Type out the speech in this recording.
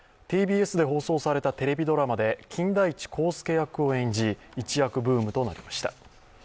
ＴＢＳで放送されたテレビドラマで金田一耕助役を演じ一躍ブームとなりました。